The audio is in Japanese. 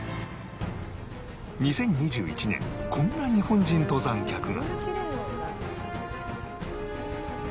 ２０２１年こんな日本人登山客が